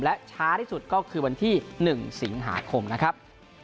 และช้าที่สุดก็คือวันที่๑สิงหาคมนะครับ